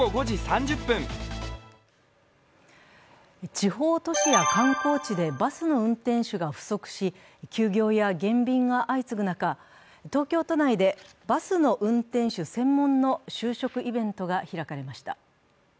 地方都市や観光地でバスの運転手が不足し休業や減便が相次ぐ中、東京都内でバスの運転手専門の就職イベントが開かれました。